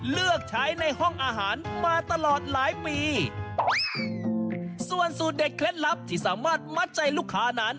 เลือกใช้ในห้องอาหารมาตลอดหลายปีส่วนสูตรเด็ดเคล็ดลับที่สามารถมัดใจลูกค้านั้น